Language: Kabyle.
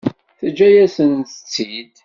Teǧǧa-yasent-tt-id?